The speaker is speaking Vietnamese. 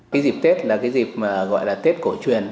cái dịp tết là cái dịp mà gọi là tết cổ truyền